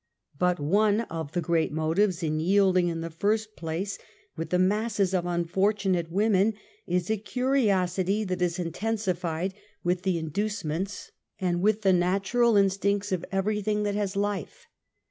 But one of the great motives in yielding in the tirsjb place, with the masses of unfortunate women, is /\ a 5^£i5;^ty^'that is intensified with the inducements, ^ 72 UNMASKED. and with the natural instincts of everything that has life.